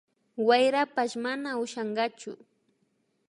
Wayrapash mana ushankachu